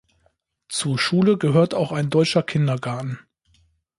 Zur Schule gehört auch ein deutscher Kindergarten.